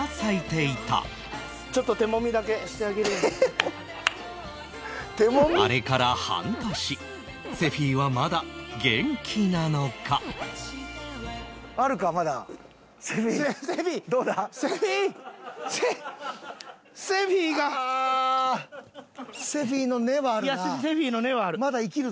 いやセフィの根はある。